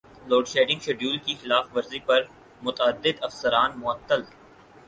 load shedding schedule کی خلاف ورزی پر متعدد افسران معطل